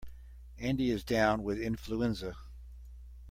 Andy is down with influenza.